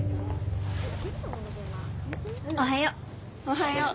おはよう。